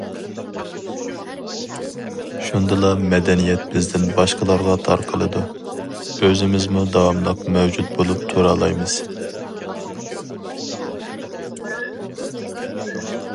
شۇندىلا مەدەنىيەت بىزدىن باشقىلارغا تارقىلىدۇ، ئۆزىمىزمۇ داۋاملىق مەۋجۇت بولۇپ تۇرالايمىز.